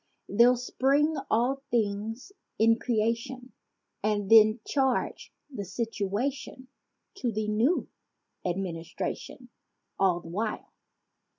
They'll spring all things in creation And then charge the situation To the new administration— All the while.